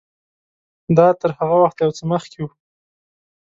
دا تر هغه وخته یو څه مخکې و.